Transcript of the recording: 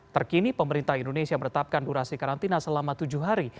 terkini pemerintah indonesia meretapkan durasi karantina selama tujuh hari